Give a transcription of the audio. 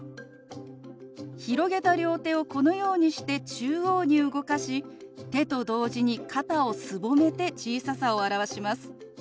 広げた両手をこのようにして中央に動かし手と同時に肩をすぼめて小ささを表します。